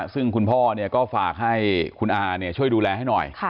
ซึ่งคุณพ่อเนี่ยก็ฝากให้คุณอาเนี่ยช่วยดูแลให้หน่อย